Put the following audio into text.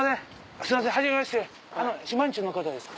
すいませんはじめまして島人の方ですか？